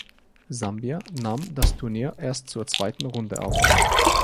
Sambia nahm das Turnier erst zur zweiten Runde auf.